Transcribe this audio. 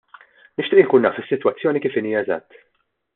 Nixtieq inkun naf is-sitwazzjoni kif inhi eżatt.